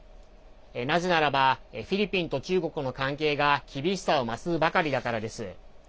なぜならばフィリピンと中国の関係が厳しさを増すばかりだからです。